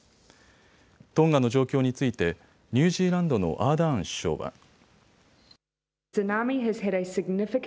トンガの状況についてニュージーランドのアーダーン首相は。